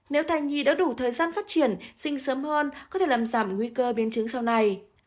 nếu thai nhi đã đủ thời gian phát triển sinh sớm hơn có thể làm giảm nguy cơ biến chứng sau này